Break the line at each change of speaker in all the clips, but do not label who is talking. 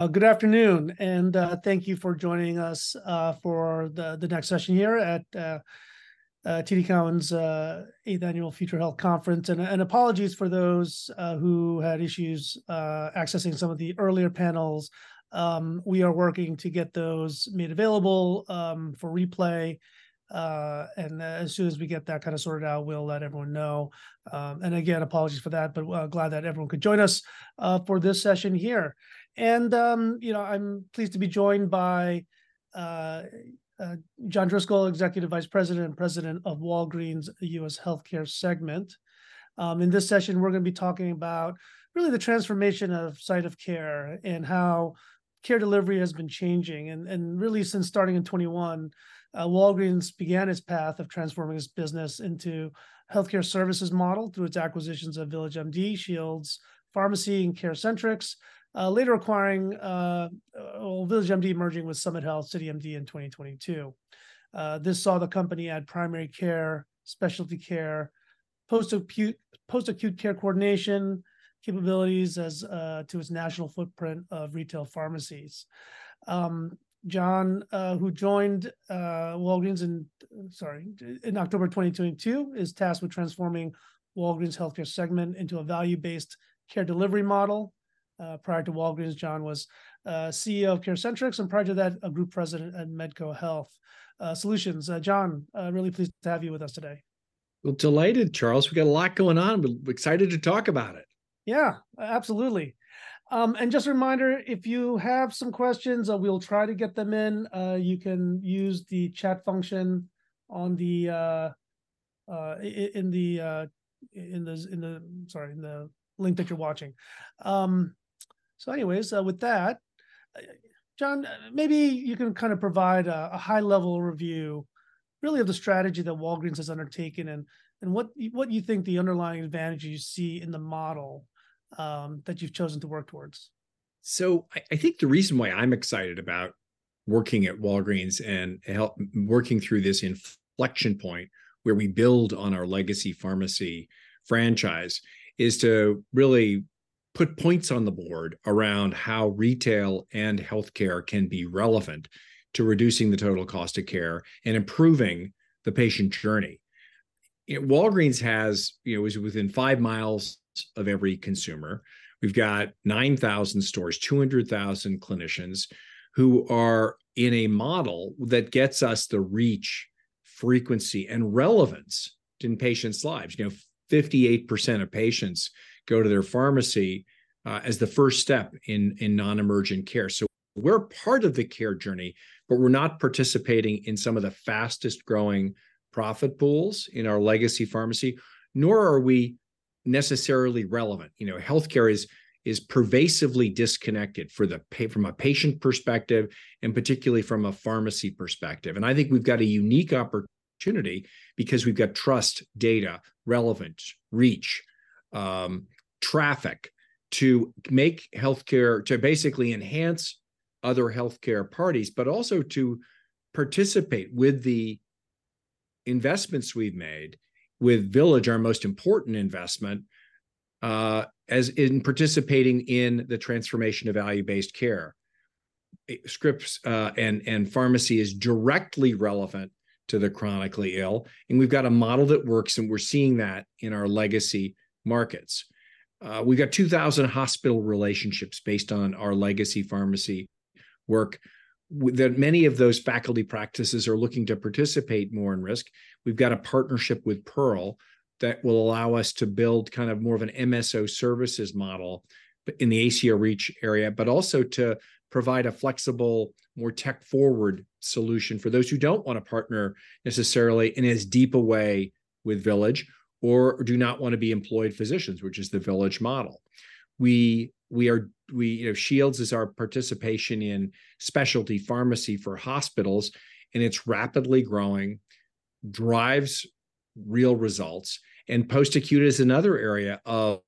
Good afternoon, and thank you for joining us for the next session here at TD Cowen's Eighth Annual Future of Health Conference. Apologies for those who had issues accessing some of the earlier panels. We are working to get those made available for replay. As soon as we get that kind of sorted out, we'll let everyone know. And again, apologies for that, but glad that everyone could join us for this session here. You know, I'm pleased to be joined by John Driscoll, Executive Vice President and President of Walgreens' U.S. Healthcare segment. In this session, we're gonna be talking about really the transformation of site of care and how care delivery has been changing. Really, since starting in 2021, Walgreens began its path of transforming its business into a healthcare services model through its acquisitions of VillageMD, Shields Health Solutions, and CareCentrix. Later acquiring, well, VillageMD merging with Summit Health-CityMD in 2022. This saw the company add primary care, specialty care, post-acute, post-acute care coordination, capabilities as to its national footprint of retail pharmacies. John, who joined Walgreens in, sorry, in October 2022, is tasked with transforming Walgreens' healthcare segment into a value-based care delivery model. Prior to Walgreens, John was CEO of CareCentrix, and prior to that, a group president at Medco Health Solutions. John, really pleased to have you with us today.
Well, delighted, Charles. We've got a lot going on, but excited to talk about it.
Yeah, absolutely. Just a reminder, if you have some questions, we'll try to get them in. You can use the chat function on the link that you're watching. So anyways, with that, John, maybe you can kind of provide a high-level review of the strategy that Walgreens has undertaken, and what you think the underlying advantages you see in the model that you've chosen to work towards.
So I think the reason why I'm excited about working at Walgreens and working through this inflection point, where we build on our legacy pharmacy franchise, is to really put points on the board around how retail and healthcare can be relevant to reducing the total cost of care and improving the patient journey. Walgreens has, you know, is within five miles of every consumer. We've got 9,000 stores, 200,000 clinicians, who are in a model that gets us the reach, frequency, and relevance in patients' lives. You know, 58% of patients go to their pharmacy as the first step in non-emergent care. So we're part of the care journey, but we're not participating in some of the fastest-growing profit pools in our legacy pharmacy, nor are we necessarily relevant. You know, healthcare is pervasively disconnected for the from a patient perspective, and particularly from a pharmacy perspective. I think we've got a unique opportunity because we've got trust, data, relevance, reach, traffic, to make healthcare to basically enhance other healthcare parties, but also to participate with the investments we've made with Village, our most important investment, as in participating in the transformation of value-based care. Scripts and pharmacy is directly relevant to the chronically ill, and we've got a model that works, and we're seeing that in our legacy markets. We've got 2,000 hospital relationships based on our legacy pharmacy work, that many of those faculty practices are looking to participate more in risk. We've got a partnership with Pearl that will allow us to build kind of more of an MSO services model, but in the ACO REACH area, but also to provide a flexible, more tech-forward solution for those who don't want to partner necessarily in as deep a way with Village or do not want to be employed physicians, which is the Village model. We are, you know, Shields is our participation in specialty pharmacy for hospitals, and it's rapidly growing, drives real results, and post-acute is another area of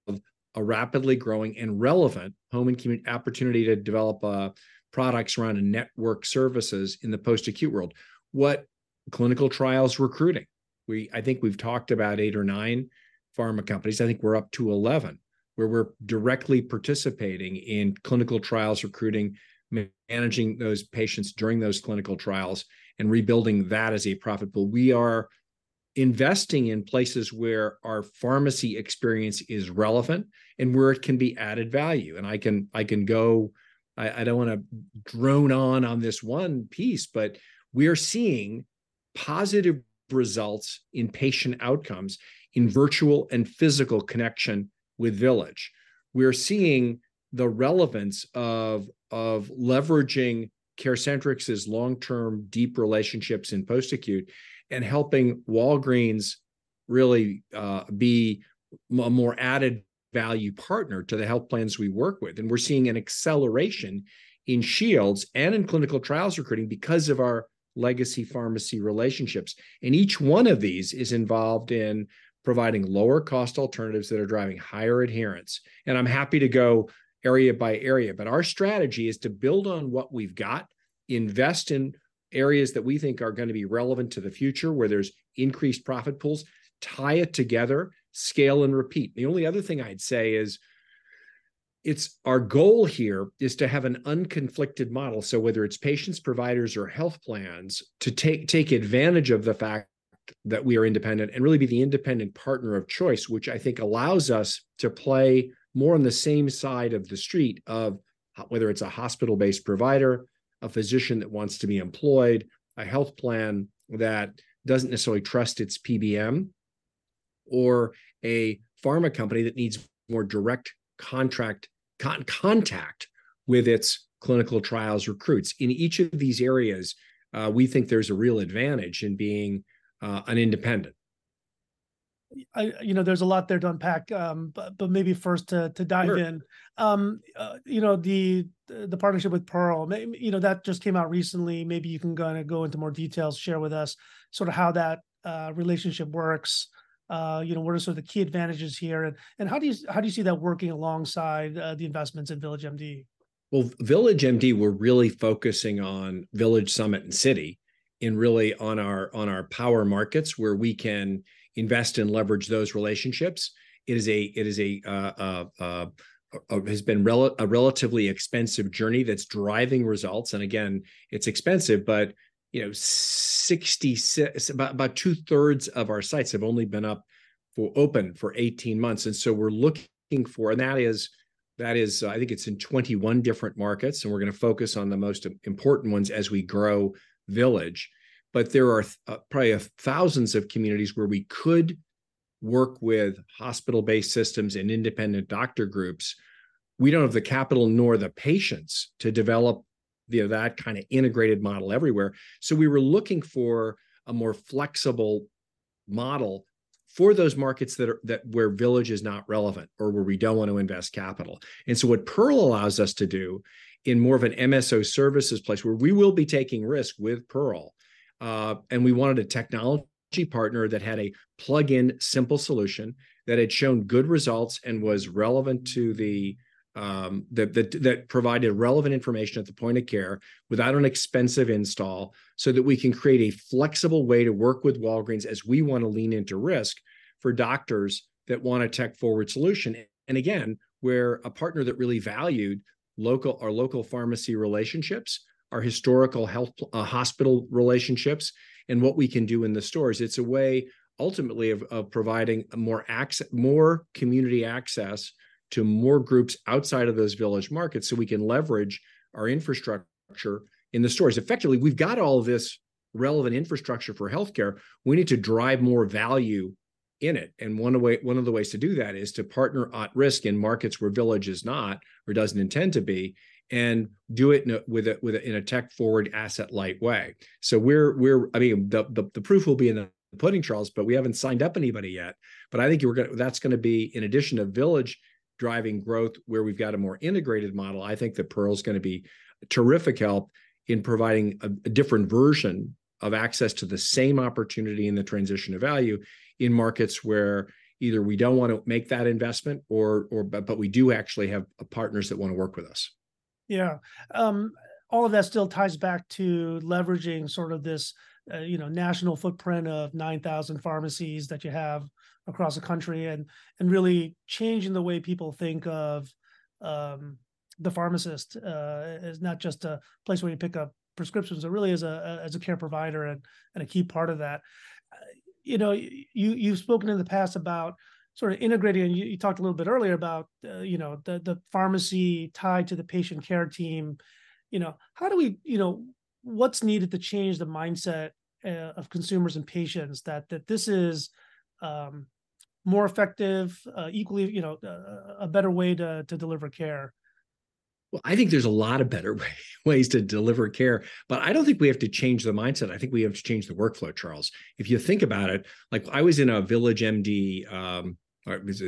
a rapidly growing and relevant home and community opportunity to develop products around a network services in the post-acute world. What clinical trials recruiting? I think we've talked about eight or nine pharma companies. I think we're up to 11, where we're directly participating in clinical trials, recruiting, managing those patients during those clinical trials, and rebuilding that as a profit pool. We are investing in places where our pharmacy experience is relevant and where it can be added value. And I can go... I don't wanna drone on on this one piece, but we are seeing positive results in patient outcomes in virtual and physical connection with Village. We are seeing the relevance of leveraging CareCentrix's long-term, deep relationships in post-acute and helping Walgreens really be a more added value partner to the health plans we work with. And we're seeing an acceleration in Shields and in clinical trials recruiting because of our legacy pharmacy relationships. And each one of these is involved in providing lower-cost alternatives that are driving higher adherence. I'm happy to go area by area, but our strategy is to build on what we've got, invest in areas that we think are gonna be relevant to the future, where there's increased profit pools, tie it together, scale, and repeat. The only other thing I'd say is, it's our goal here is to have an unconflicted model. So whether it's patients, providers, or health plans, to take, take advantage of the fact that we are independent and really be the independent partner of choice, which I think allows us to play more on the same side of the street of whether it's a hospital-based provider, a physician that wants to be employed, a health plan that doesn't necessarily trust its PBM, or a pharma company that needs more direct contract contact with its clinical trials recruits. In each of these areas, we think there's a real advantage in being an independent.
You know, there's a lot there to unpack, but maybe first to dive in.
Sure.
You know, the partnership with Pearl, you know, that just came out recently. Maybe you can kinda go into more details, share with us sort of how that relationship works. You know, what are sort of the key advantages here, and how do you see that working alongside the investments in VillageMD?
Well, VillageMD, we're really focusing on VillageMD, Summit, and CityMD, and really on our power markets, where we can invest and leverage those relationships. It is a relatively expensive journey that's driving results. And again, it's expensive, but, you know, about two-thirds of our sites have only been up and open for 18 months, and so we're looking for- and that is, I think it's in 21 different markets, and we're gonna focus on the most important ones as we grow VillageMD. But there are probably thousands of communities where we could work with hospital-based systems and independent doctor groups. We don't have the capital nor the patients to develop the, that kind of integrated model everywhere. So we were looking for a more flexible model for those markets that are... Where Village is not relevant or where we don't want to invest capital. And so what Pearl allows us to do, in more of an MSO services place, where we will be taking risk with Pearl, and we wanted a technology partner that had a plug-in simple solution, that had shown good results, and was relevant to the, that provided relevant information at the point of care without an expensive install, so that we can create a flexible way to work with Walgreens as we want to lean into risk for doctors that want a tech-forward solution. And again, we're a partner that really valued our local pharmacy relationships, our historical health, hospital relationships, and what we can do in the stores. It's a way, ultimately, of providing more community access to more groups outside of those Village markets, so we can leverage our infrastructure in the stores. Effectively, we've got all this relevant infrastructure for healthcare. We need to drive more value in it, and one of the ways to do that is to partner at risk in markets where Village is not or doesn't intend to be, and do it in a tech-forward, asset-light way. So I mean, the proof will be in the pudding, Charles, but we haven't signed up anybody yet. But I think we're gonna that's gonna be in addition to Village driving growth, where we've got a more integrated model. I think that Pearl's gonna be terrific help in providing a, a different version of access to the same opportunity in the transition to value in markets where either we don't want to make that investment or, or... But we do actually have partners that wanna work with us.
Yeah. All of that still ties back to leveraging sort of this, you know, national footprint of 9,000 pharmacies that you have across the country and really changing the way people think of the pharmacist as not just a place where you pick up prescriptions, but really as a care provider and a key part of that. You know, you've spoken in the past about sort of integrating, and you talked a little bit earlier about, you know, the pharmacy tied to the patient care team. You know, what's needed to change the mindset of consumers and patients, that this is more effective, equally, you know, a better way to deliver care?
Well, I think there's a lot of better ways to deliver care, but I don't think we have to change the mindset. I think we have to change the workflow, Charles. If you think about it, like, I was in a VillageMD, this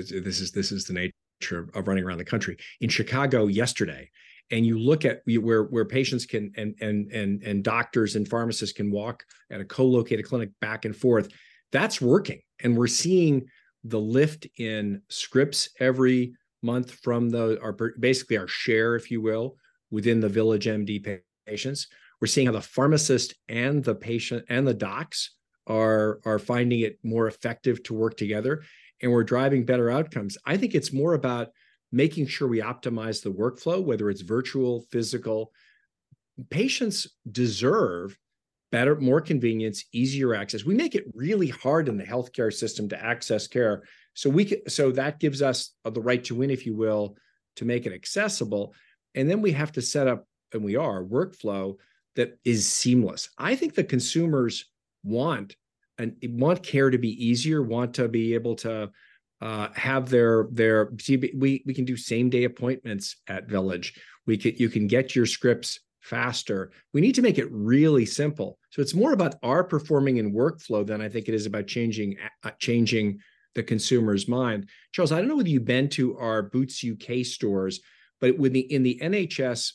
is the nature of running around the country, in Chicago yesterday, and you look at where patients can, and doctors and pharmacists can walk at a co-located clinic back and forth. That's working, and we're seeing the lift in scripts every month from our basically our share, if you will, within the VillageMD patients. We're seeing how the pharmacist, and the patient, and the docs are finding it more effective to work together, and we're driving better outcomes. I think it's more about making sure we optimize the workflow, whether it's virtual, physical. Patients deserve better, more convenience, easier access. We make it really hard in the healthcare system to access care, so that gives us the right to win, if you will, to make it accessible, and then we have to set up, and we are, workflow that is seamless. I think the consumers want care to be easier, want to be able to have their care. See, we can do same-day appointments at Village. You can get your scripts faster. We need to make it really simple. So it's more about our performing and workflow than I think it is about changing the consumer's mind. Charles, I don't know whether you've been to our Boots UK stores, but with the in the NHS...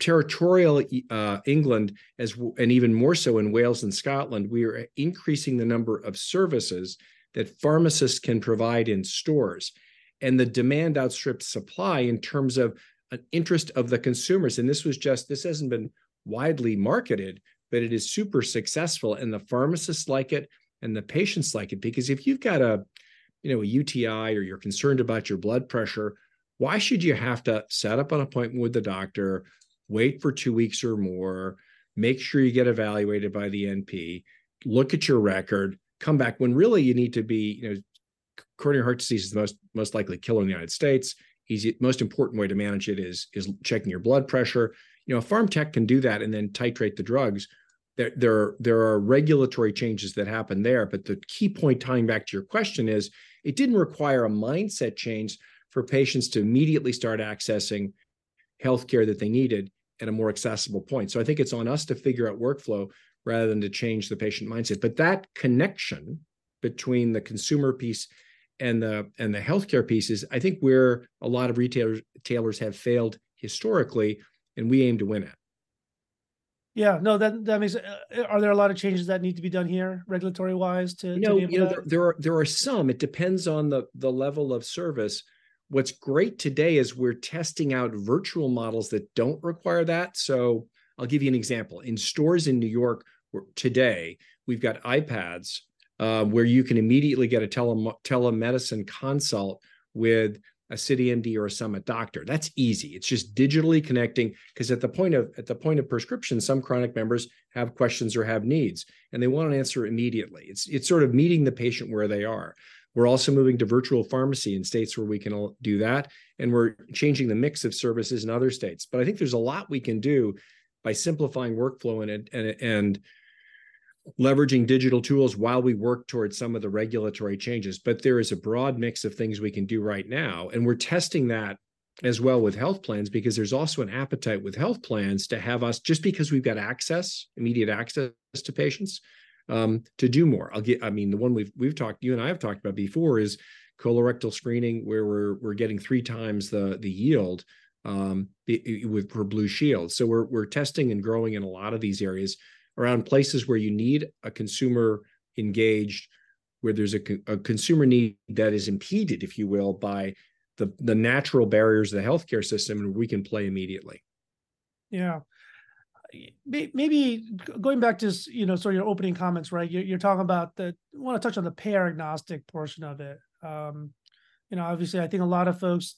Territorial e-, England, as w- and even more so in Wales and Scotland, we are increasing the number of services that pharmacists can provide in stores. The demand outstrips supply in terms of an interest of the consumers, and this was just- this hasn't been widely marketed, but it is super successful, and the pharmacists like it, and the patients like it. Because if you've got a, you know, a UTI or you're concerned about your blood pressure, why should you have to set up an appointment with the doctor, wait for two weeks or more, make sure you get evaluated by the NP, look at your record, come back, when really you need to be... You know, coronary heart disease is the most, most likely killer in the United States. Easy, most important way to manage it is, is checking your blood pressure. You know, a pharm tech can do that and then titrate the drugs. There are regulatory changes that happen there, but the key point, tying back to your question, is it didn't require a mindset change for patients to immediately start accessing healthcare that they needed at a more accessible point. So I think it's on us to figure out workflow rather than to change the patient mindset. But that connection between the consumer piece and the healthcare piece is, I think, where a lot of retailers have failed historically, and we aim to win it.
Yeah. No, that means... are there a lot of changes that need to be done here, regulatory-wise, to be able to-
You know, there are some. It depends on the level of service. What's great today is we're testing out virtual models that don't require that. So I'll give you an example. In stores in New York, where today we've got iPads where you can immediately get a telemedicine consult with a CityMD or a Summit doctor. That's easy. It's just digitally connecting, 'cause at the point of prescription, some chronic members have questions or have needs, and they want an answer immediately. It's sort of meeting the patient where they are. We're also moving to virtual pharmacy in states where we can do that, and we're changing the mix of services in other states. I think there's a lot we can do by simplifying workflow and leveraging digital tools while we work towards some of the regulatory changes. There is a broad mix of things we can do right now, and we're testing that as well with health plans because there's also an appetite with health plans to have us, just because we've got access, immediate access to patients, to do more. I'll get... I mean, the one we've talked, you and I have talked about before is colorectal screening, where we're getting three times the yield with Blue Shield. So we're testing and growing in a lot of these areas around places where you need a consumer engaged, where there's a consumer need that is impeded, if you will, by the natural barriers of the healthcare system, and we can play immediately.
Yeah. Maybe going back to, you know, sort of your opening comments, right? You're talking about the... I wanna touch on the payer-agnostic portion of it. You know, obviously, I think a lot of folks,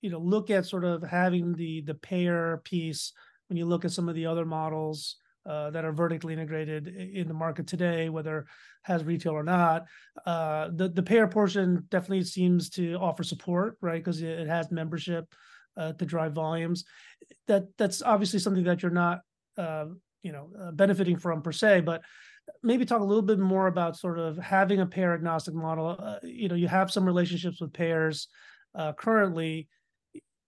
you know, look at sort of having the payer piece when you look at some of the other models that are vertically integrated in the market today, whether it has retail or not. The payer portion definitely seems to offer support, right? 'Cause it has membership to drive volumes. That's obviously something that you're not, you know, benefiting from, per se, but maybe talk a little bit more about sort of having a payer-agnostic model. You know, you have some relationships with payers currently.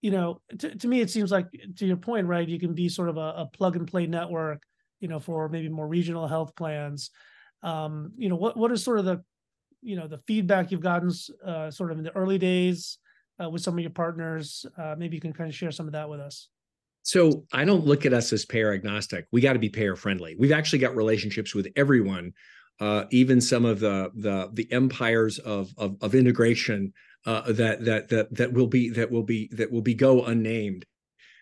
You know, to me, it seems like, to your point, right, you can be sort of a plug-and-play network, you know, for maybe more regional health plans. You know, what is sort of the, you know, the feedback you've gotten sort of in the early days with some of your partners? Maybe you can kind of share some of that with us.
So I don't look at us as payer-agnostic. We've got to be payer-friendly. We've actually got relationships with everyone, even some of the empires of integration that will go unnamed.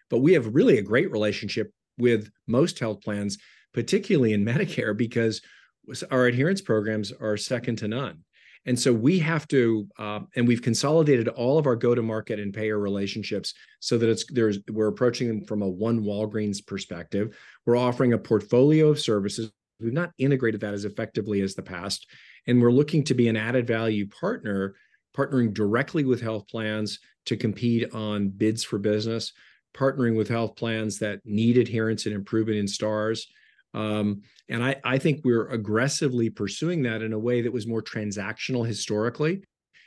But we have really a great relationship with most health plans, particularly in Medicare, because our adherence programs are second to none. And so we have to. And we've consolidated all of our go-to-market and payer relationships so that we're approaching them from a one Walgreens perspective. We're offering a portfolio of services. We've not integrated that as effectively as the past, and we're looking to be an added-value partner, partnering directly with health plans to compete on bids for business, partnering with health plans that need adherence and improvement in Stars. I think we're aggressively pursuing that in a way that was more transactional historically,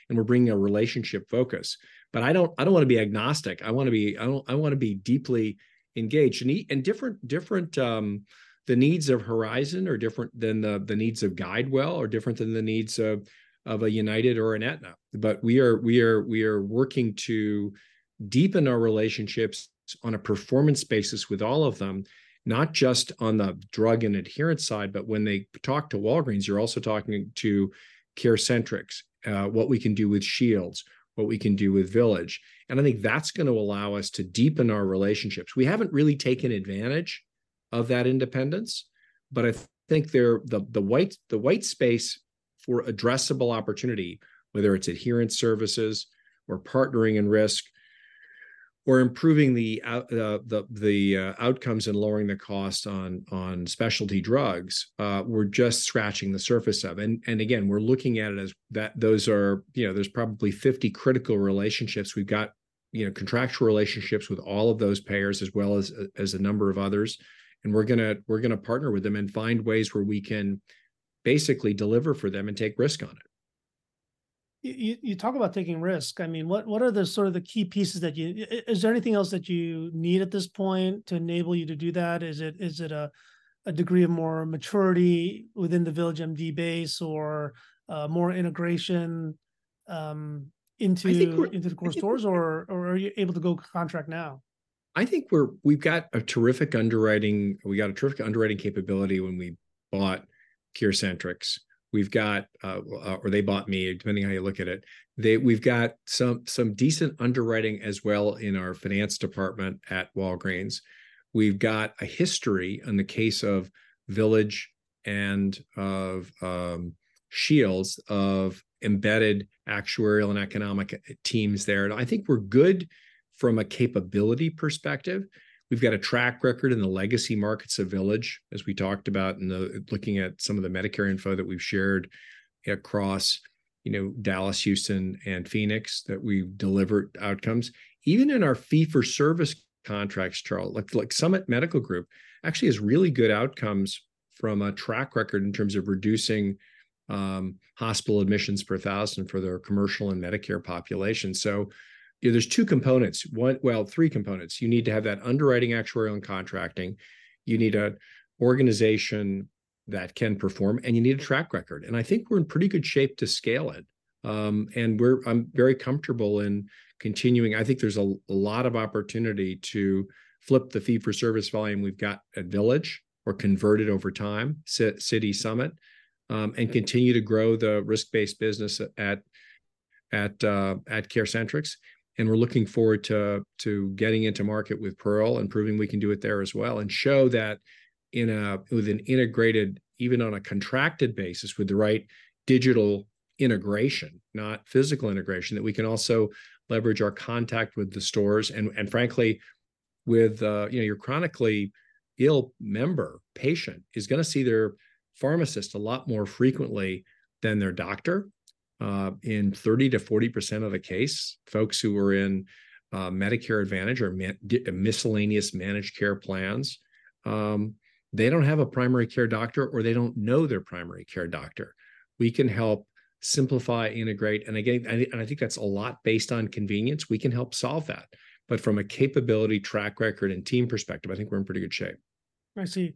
and we're bringing a relationship focus. I don't wanna be agnostic. I wanna be—I want, I wanna be deeply engaged. Different, different, the needs of Horizon are different than the needs of GuideWell, are different than the needs of a United or an Aetna. We are working to deepen our relationships on a performance basis with all of them, not just on the drug and adherence side, but when they talk to Walgreens, you're also talking to CareCentrix, what we can do with Shields, what we can do with Village, and I think that's gonna allow us to deepen our relationships. We haven't really taken advantage of that independence, but I think they're... The white space for addressable opportunity, whether it's adherence services, or partnering in risk, or improving the outcomes and lowering the cost on specialty drugs, we're just scratching the surface of. And again, we're looking at it as that those are, you know, there's probably 50 critical relationships. We've got, you know, contractual relationships with all of those payers as well as a number of others, and we're gonna partner with them and find ways where we can basically deliver for them and take risk on it.
You talk about taking risk. I mean, what are the sort of the key pieces that you... Is there anything else that you need at this point to enable you to do that? Is it a degree of more maturity within the VillageMD base or more integration into the core stores, or are you able to go contract now?
I think we've got a terrific underwriting, we got a terrific underwriting capability when we bought CareCentrix. We've got, or they bought me, depending on how you look at it. We've got some, some decent underwriting as well in our finance department at Walgreens. We've got a history in the case of Village and of Shields, of embedded actuarial and economic teams there. I think we're good from a capability perspective. We've got a track record in the legacy markets of Village, as we talked about, and looking at some of the Medicare info that we've shared across, you know, Dallas, Houston, and Phoenix, that we've delivered outcomes. Even in our fee-for-service contracts, Charles, like, like Summit Medical Group actually has really good outcomes from a track record in terms of reducing hospital admissions per thousand for their commercial and Medicare population. So there's two components, one, well, three components. You need to have that underwriting, actuarial, and contracting, you need an organization that can perform, and you need a track record. And I think we're in pretty good shape to scale it. And we're, I'm very comfortable in continuing. I think there's a lot of opportunity to flip the fee-for-service volume we've got at Village, or convert it over time, City Summit, and continue to grow the risk-based business at CareCentrix. We're looking forward to getting into market with Pearl and proving we can do it there as well, and show that in an integrated, even on a contracted basis, with the right digital integration, not physical integration, that we can also leverage our contact with the stores, and frankly, with, you know, your chronically ill member patient is gonna see their pharmacist a lot more frequently than their doctor. In 30%-40% of the cases, folks who are in Medicare Advantage or managed care plans, they don't have a primary care doctor, or they don't know their primary care doctor. We can help simplify, integrate, and again, I think that's a lot based on convenience, we can help solve that. But from a capability, track record, and team perspective, I think we're in pretty good shape.
I see.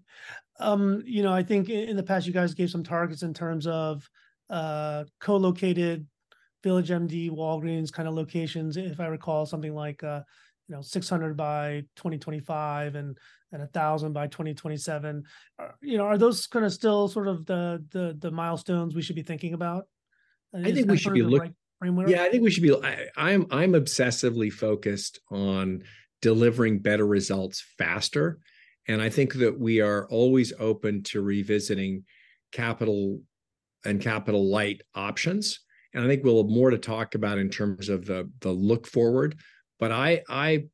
You know, I think in the past, you guys gave some targets in terms of co-located VillageMD, Walgreens kind of locations. If I recall, something like 600 by 2025 and 1,000 by 2027. You know, are those kind of still sort of the milestones we should be thinking about?
I think we should be.
Is that the right framework?
Yeah, I think we should be—I, I'm, I'm obsessively focused on delivering better results faster, and I think that we are always open to revisiting capital and capital-light options. I think we'll have more to talk about in terms of the, the look forward, but I, I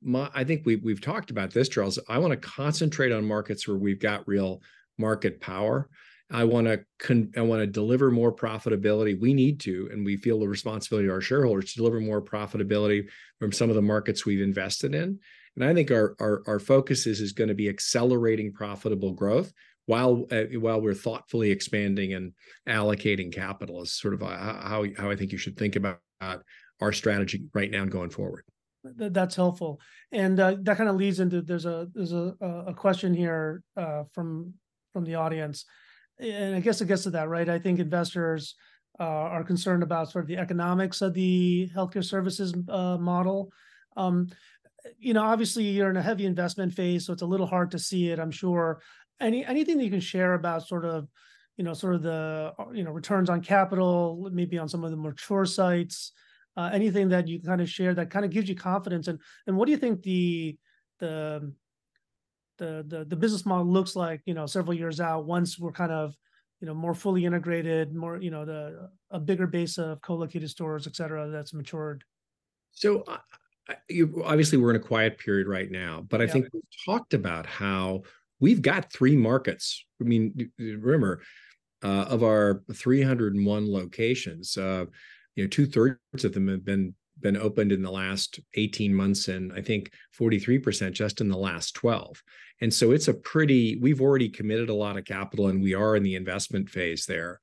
think we've, we've talked about this, Charles. I want to concentrate on markets where we've got real market power. I wanna deliver more profitability. We need to, and we feel the responsibility to our shareholders to deliver more profitability from some of the markets we've invested in. I think our, our, our focus is, is gonna be accelerating profitable growth while we're thoughtfully expanding and allocating capital, is sort of how, how I think you should think about our strategy right now and going forward.
That, that's helpful. And that kind of leads into... there's a question here from the audience, and I guess it gets to that, right? I think investors are concerned about sort of the economics of the healthcare services model. You know, obviously you're in a heavy investment phase, so it's a little hard to see it, I'm sure. Anything that you can share about sort of, you know, sort of the returns on capital, maybe on some of the mature sites, anything that you can kind of share that kind of gives you confidence? What do you think the business model looks like, you know, several years out, once we're kind of, you know, more fully integrated, more, you know, a bigger base of co-located stores, et cetera, that's matured?
I, I, you-- obviously, we're in a quiet period right now-
Yeah...
But I think we've talked about how we've got three markets. I mean, remember, of our 301 locations, you know, two-thirds of them have been, been opened in the last 18 months, and I think 43% just in the last 12. And so it's a pretty—we've already committed a lot of capital, and we are in the investment phase there.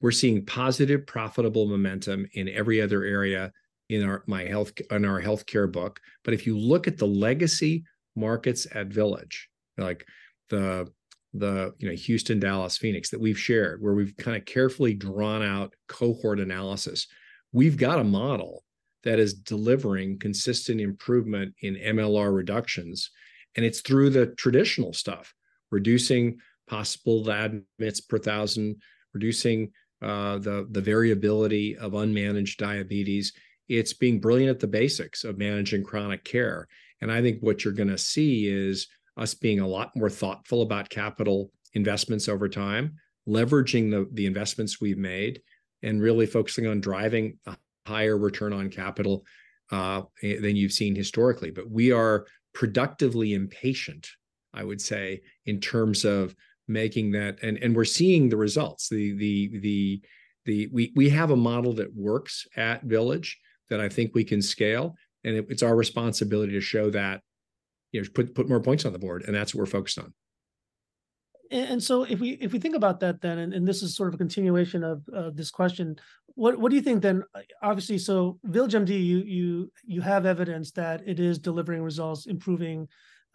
We're seeing positive, profitable momentum in every other area in our, in our healthcare book. But if you look at the legacy markets at Village, like the, you know, Houston, Dallas, Phoenix, that we've shared, where we've kind of carefully drawn out cohort analysis, we've got a model that is delivering consistent improvement in MLR reductions, and it's through the traditional stuff, reducing hospital admits per 1,000, reducing, the variability of unmanaged diabetes. It's being brilliant at the basics of managing chronic care. And I think what you're gonna see is us being a lot more thoughtful about capital investments over time, leveraging the investments we've made, and really focusing on driving a higher return on capital than you've seen historically. But we are productively impatient, I would say, in terms of making that and we're seeing the results. We have a model that works at Village that I think we can scale, and it's our responsibility to show that, you know, put more points on the board, and that's what we're focused on.
If we think about that then, this is sort of a continuation of this question, what do you think, then—obviously, VillageMD, you have evidence that it is delivering results, improving,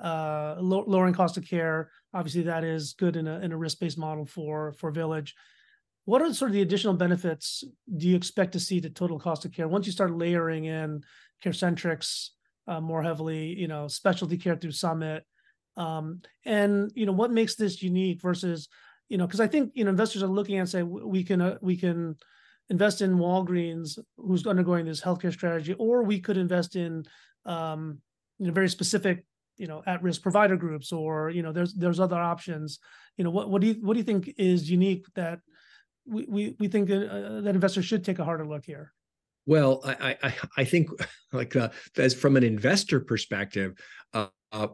lowering cost of care. Obviously, that is good in a risk-based model for Village. What are sort of the additional benefits do you expect to see to the total cost of care once you start layering in CareCentrix? More heavily, you know, specialty care through Summit. And, you know, what makes this unique versus, you know, 'cause I think, you know, investors are looking and saying, "We can invest in Walgreens, who's undergoing this healthcare strategy, or we could invest in a very specific, you know, at-risk provider groups or, you know, there's other options." You know, what do you think is unique that we think that investors should take a harder look here?
Well, I think, like, as from an investor perspective,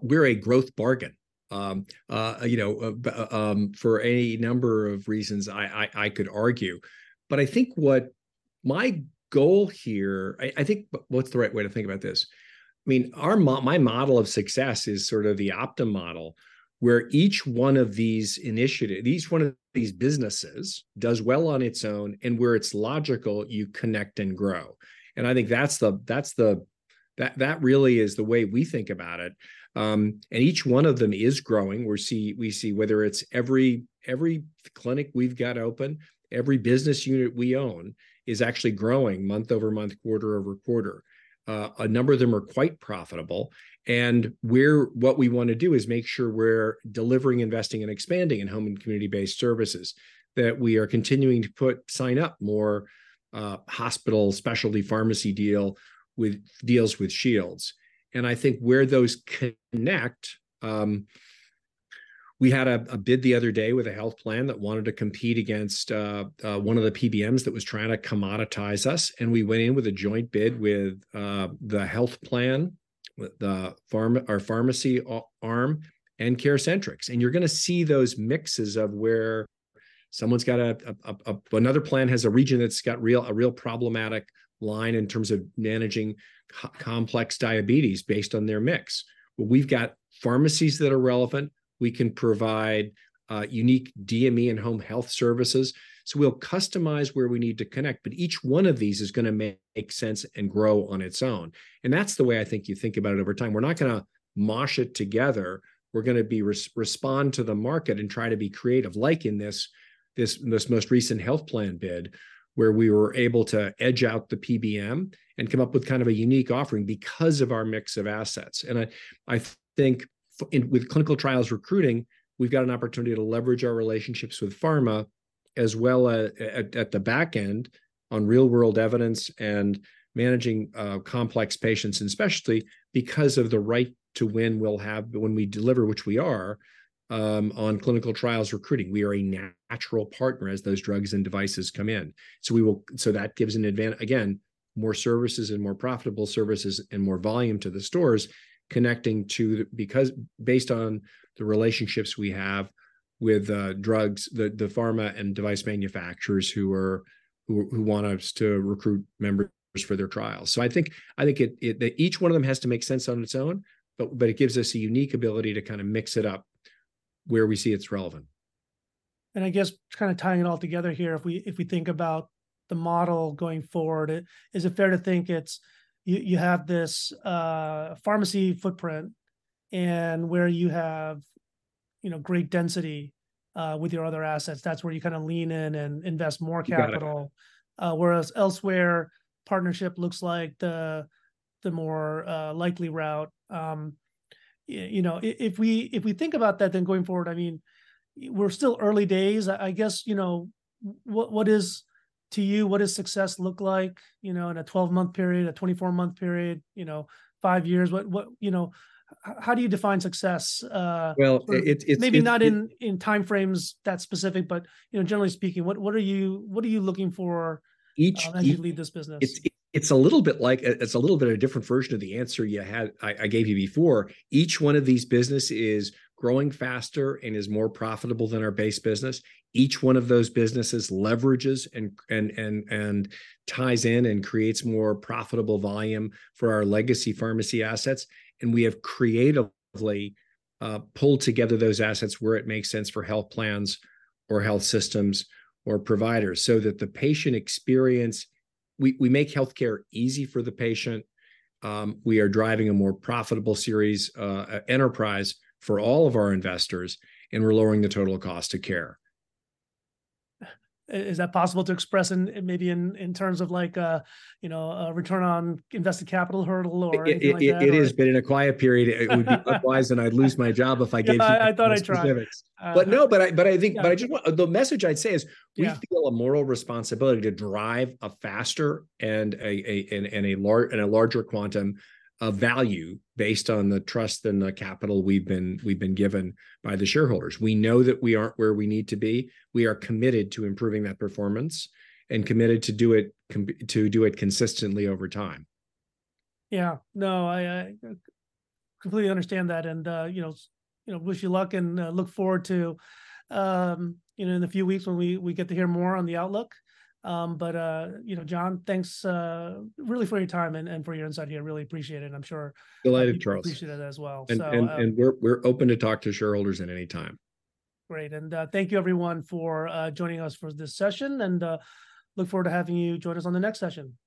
we're a growth bargain. You know, for any number of reasons, I could argue. But I think what my goal here... I think, what's the right way to think about this? I mean, my model of success is sort of the Optum model, where each one of these businesses does well on its own, and where it's logical, you connect and grow. And I think that's the way we think about it. And each one of them is growing. We see whether it's every clinic we've got open, every business unit we own, is actually growing month-over-month, quarter-over-quarter. A number of them are quite profitable, and what we wanna do is make sure we're delivering, investing, and expanding in-home and community-based services, that we are continuing to sign up more hospital specialty pharmacy deals with Shields. And I think where those connect, we had a bid the other day with a health plan that wanted to compete against one of the PBMs that was trying to commoditize us, and we went in with a joint bid with the health plan, with our pharmacy arm, and CareCentrix. And you're gonna see those mixes of where someone's got a another plan has a region that's got a real problematic line in terms of managing complex diabetes based on their mix. Well, we've got pharmacies that are relevant. We can provide unique DME and home health services. So we'll customize where we need to connect, but each one of these is gonna make sense and grow on its own. And that's the way I think you think about it over time. We're not gonna mash it together, we're gonna respond to the market and try to be creative, like in this most recent health plan bid, where we were able to edge out the PBM and come up with kind of a unique offering because of our mix of assets. I think with clinical trials recruiting, we've got an opportunity to leverage our relationships with pharma, as well as at the back end on real-world evidence and managing complex patients, and especially because right now when we deliver, which we are, on clinical trials recruiting. We are a natural partner as those drugs and devices come in, so that gives an advantage, again, more services and more profitable services and more volume to the stores connecting to, because based on the relationships we have with drugs, the pharma and device manufacturers who want us to recruit members for their trials. So I think that each one of them has to make sense on its own, but it gives us a unique ability to kind of mix it up where we see it's relevant.
I guess kind of tying it all together here, if we, if we think about the model going forward, is it fair to think it's... you have this pharmacy footprint, and where you have, you know, great density with your other assets, that's where you kind of lean in and invest more capital-
You got it.
Whereas elsewhere, partnership looks like the more likely route. You know, if we think about that, then, going forward, I mean, we're still early days. I guess, you know, what is, to you, what does success look like, you know, in a 12-month period, a 24-month period, you know, five years? What... You know, how do you define success?
Well, it—...
Maybe not in time frames that specific but, you know, generally speaking, what are you looking for?
Each, each- As you lead this business? It's a little bit like, it's a little bit of a different version of the answer you had—I gave you before. Each one of these business is growing faster and is more profitable than our base business. Each one of those businesses leverages and ties in and creates more profitable volume for our legacy pharmacy assets, and we have creatively pulled together those assets where it makes sense for health plans, or health systems, or providers so that the patient experience—We make healthcare easy for the patient. We are driving a more profitable series enterprise for all of our investors, and we're lowering the total cost of care.
Is that possible to express in, maybe, in terms of like, you know, a return on invested capital hurdle or anything like that?
It is, but in a quiet period... it would be unwise, and I'd lose my job if I gave you-
Yeah, I thought I'd try....
Specifics. But no, I think.
Yeah...
But I just, the message I'd say is-
Yeah...
We feel a moral responsibility to drive a faster and a, a, and a larger quantum of value based on the trust and the capital we've been, we've been given by the shareholders. We know that we aren't where we need to be. We are committed to improving that performance and committed to do it consistently over time.
Yeah, no, I completely understand that and, you know, wish you luck and, look forward to, you know, in a few weeks when we get to hear more on the outlook. But, you know, John, thanks really for your time and for your insight here. I really appreciate it, and I'm sure-
Delighted, Charles...
Appreciate it as well. So,
We're open to talk to shareholders at any time.
Great, and, thank you everyone for joining us for this session, and look forward to having you join us on the next session. Thank you.